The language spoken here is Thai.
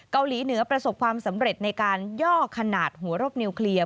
เกาหลีเหนือประสบความสำเร็จในการย่อขนาดหัวรบนิวเคลียร์